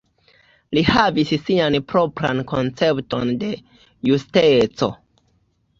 Li havis sian propran koncepton de justeco.